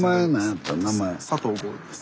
佐藤剛です。